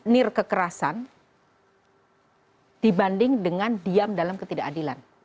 nir kekerasan dibanding dengan diam dalam ketidakadilan